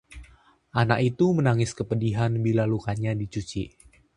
anak itu menangis kepedihan bila lukanya dicuci